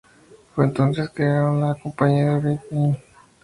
Fue entonces que crearon la compañía BirdMan Inc.